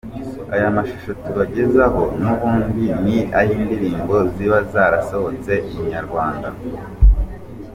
Aya mashusho tubagezaho n'ubundi ni ay’indirimbo ziba zarasohotse Inyarwanda.